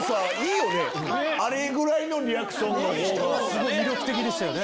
あれぐらいのリアクションのほうが。